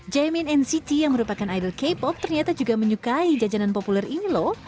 jamin nct yang merupakan idol k pop ternyata juga menyukai jajanan populer ini loh